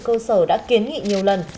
cơ sở đã kiến nghị nhiều lần